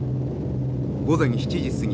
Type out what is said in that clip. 午前７時過ぎ